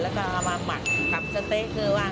แล้วก็เอามาหมักกับสะเต๊ะคือว่า